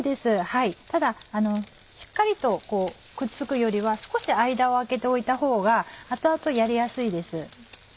ただしっかりとくっつくよりは少し間を空けて置いたほうが後々やりやすいです。